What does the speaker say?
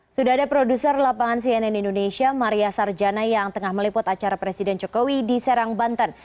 sudah ada produser lapangan cnn indonesia maria sarjana yang tengah meliput acara presiden jokowi di serang banten